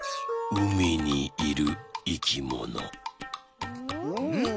うみにいるいきもの。